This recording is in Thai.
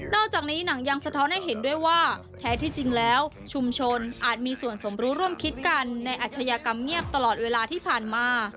อกจากนี้หนังยังสะท้อนให้เห็นด้วยว่าแท้ที่จริงแล้วชุมชนอาจมีส่วนสมรู้ร่วมคิดกันในอาชญากรรมเงียบตลอดเวลาที่ผ่านมา